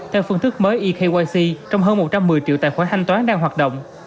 theo phương thức mới ekyc trong hơn một trăm một mươi triệu tài khoản thanh toán đang hoạt động